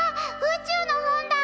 宇宙の本だ！